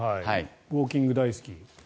ウォーキング大好き。